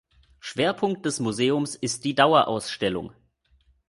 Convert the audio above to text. Schwerpunkt des Museums ist die Dauerausstellung.